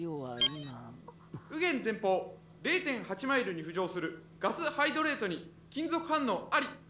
「右舷前方０．８マイルに浮上するガスハイドレートに金属反応あり！」。